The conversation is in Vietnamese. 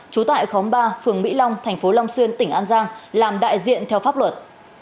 trú tại khóm ba phường mỹ long thành phố long xuyên tỉnh an giang làm đại diện theo pháp luật